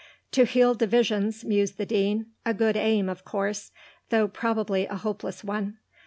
"To heal divisions," mused the Dean. "A good aim, of course. Though probably a hopeless one.